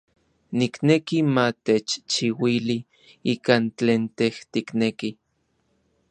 Nikneki ma techchiuili ikan tlen tej tikneki.